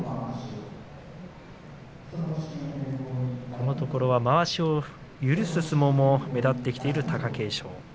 このところはまわしを許す相撲も目立ってきている貴景勝。